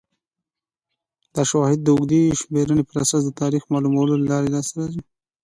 دا شواهد د اوږدې شمېرنې پر اساس د تاریخ معلومولو له لارې لاسته راغلي